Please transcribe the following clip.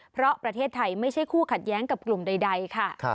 เพราะประเทศไทยไม่ใช่คู่ขัดแย้งกับกลุ่มใดค่ะ